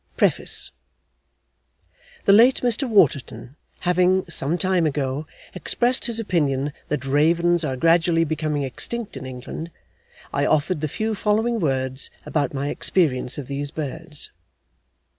D.L. PREFACE The late Mr Waterton having, some time ago, expressed his opinion that ravens are gradually becoming extinct in England, I offered the few following words about my experience of these birds.